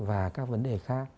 và các vấn đề khác